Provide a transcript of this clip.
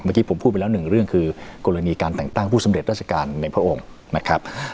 เมื่อกี้ผมพูดไปแล้วหนึ่งเรื่องคือกรณีการแต่งตั้งผู้สำเร็จราชการในพระองค์นะครับ